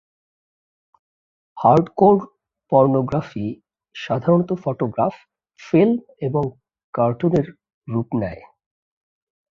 Hardcore pornography সাধারণত photograph, film এবং কার্টুনের রূপ নেয়।